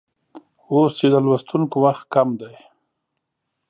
اوس چې د لوستونکو وخت کم دی